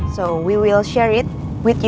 jadi kami akan berbagi tentangnya